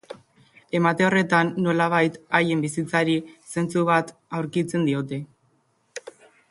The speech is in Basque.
Emate horretan, nolabait, haien bizitzari zentzu bat aurkitzen diote.